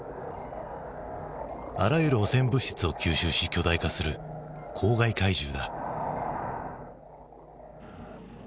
あらゆる汚染物質を吸収し巨大化する公害怪獣だ。